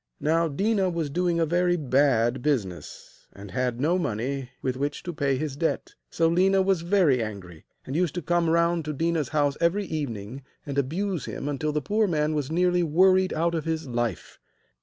Now Déna was doing a very bad business, and had no money with which to pay his debt, so Léna was very angry, and used to come round to Déna's house every evening and abuse him until the poor man was nearly worried out of his life.